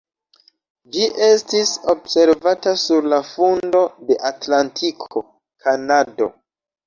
Ĝi estis observata sur la fundo de Atlantiko (Kanado).